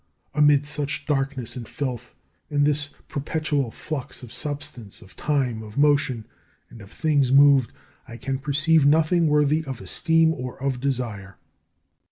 Amid such darkness and filth, in this perpetual flux of substance, of time, of motion, and of things moved, I can perceive nothing worthy of esteem or of desire.